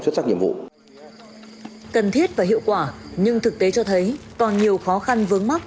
xuất sắc nhiệm vụ cần thiết và hiệu quả nhưng thực tế cho thấy còn nhiều khó khăn vướng mắt